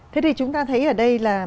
thế thì chúng ta thấy ở đây là